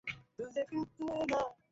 কেননা, এখানেই আল্লাহর ঘর রয়েছে।